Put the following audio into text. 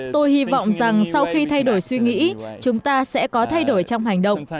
tôi hy vọng rằng sau khi thay đổi suy nghĩ chúng ta sẽ có thay đổi trong hành động